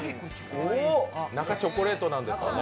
中、チョコレートなんですかね。